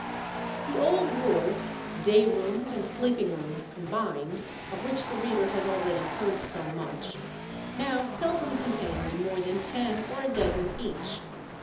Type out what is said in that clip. The old wards, day rooms and sleeping rooms combined, of which the reader has already heard so much, now seldom contained more than ten or a dozen each.